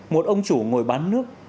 một ông chủ ngồi bán nước